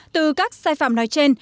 từ các sai phạm nói trên